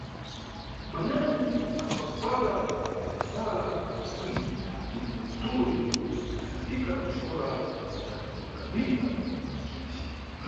Manyanyi ambabvala bzakubvala bza bwino ndipo dzulo ipo adafika kuxikola tidamutambira ticiti.